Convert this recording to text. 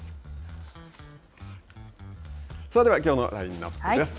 さあではではきょうのラインナップです。